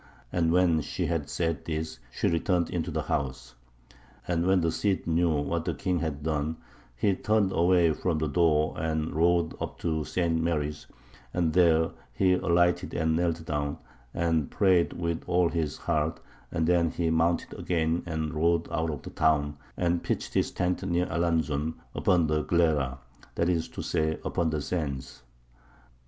And when she had said this she returned into the house. And when the Cid knew what the king had done he turned away from the door and rode up to St. Mary's, and there he alighted and knelt down, and prayed with all his heart; and then he mounted again and rode out of the town, and pitched his tent near Arlanzon, upon the Glera, that is to say, upon the sands.